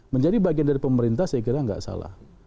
menjadi bagian dari pemerintah saya kira nggak salah